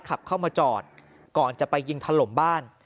ขับเข้ามาจอดก่อนจะไปยิงถล่มบ้าน